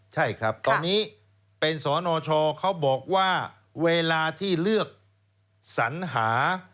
ใช่ครับตอนนี้เป็นสนชเขาบอกว่าเวลาที่เลือกสัญหา